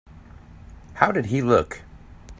How did he look?